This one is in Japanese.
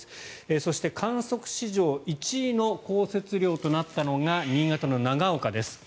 そして観測史上１位の降雪量となったのが新潟の長岡です。